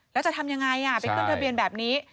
แล้วจะทำยังไงไปขึ้นทะเบียนแบบนี้